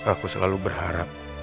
aku selalu berharap